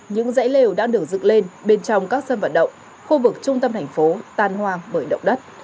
những dãy lều đang được dựng lên bên trong các sân vận động khu vực trung tâm thành phố tan hoang bởi động đất